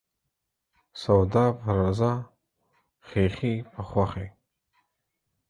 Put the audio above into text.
سوداپه رضا ، خيښي په خوښي.